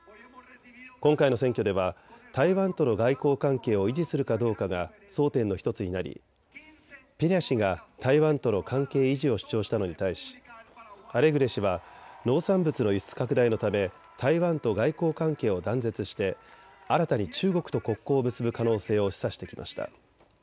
今回の選挙では台湾との外交関係を維持するかどうかが争点の１つになり、ペニャ氏が台湾との関係維持を主張したのに対しアレグレ氏は農産物の輸出拡大のため台湾と外交関係を断絶して新たに中国と国交を結ぶ可能性を示唆してきました。